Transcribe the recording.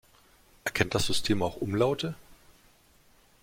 Erkennt das System auch Umlaute?